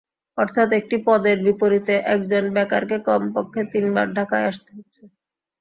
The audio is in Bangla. অর্থাৎ একটি পদের বিপরীতে একজন বেকারকে কমপক্ষে তিনবার ঢাকায় আসতে হচ্ছে।